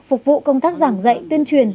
phục vụ công tác giảng dạy tuyên truyền